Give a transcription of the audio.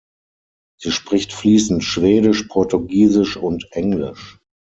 Sie spricht fließend Schwedisch, Portugiesisch und Englisch.